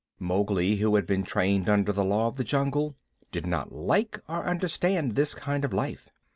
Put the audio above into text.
Mowgli, who had been trained under the Law of the Jungle, did not like or understand this kind of life.